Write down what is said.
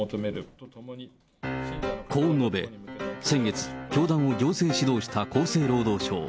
こう述べ、先月、教団を行政指導した厚生労働省。